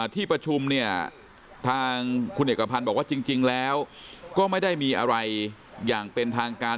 ที่ประชุมเนี่ยทางคุณเอกพันธ์บอกว่าจริงแล้วก็ไม่ได้มีอะไรอย่างเป็นทางการ